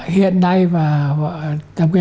hiện nay và